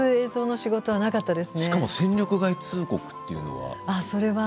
しかも戦力外通告というのは。